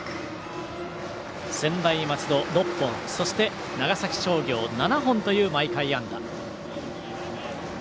専大松戸、６本そして長崎商業、７本という毎回安打。